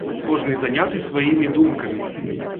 Кожны заняты сваімі думкамі.